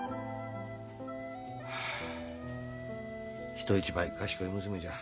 人一倍賢い娘じゃ。